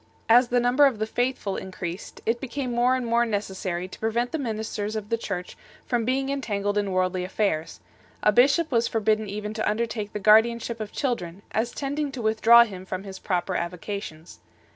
, As the number of the faithful increased, it became more and more necessary to prevent the ministers of the Church from being entangled in worldly affairs ; a bishop was forbidden even to undertake the guardianship of children, as tending to withdraw him from his proper avocations 9